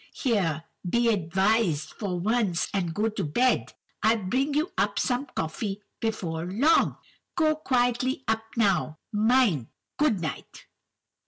Here, be advised for once, and go to bed. I'll bring you up some coffee before long. Go quietly up now—mind. Good night.